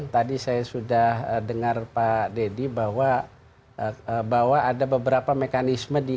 tadi saya sudah dengar pak deddy bahwa ada beberapa mekanisme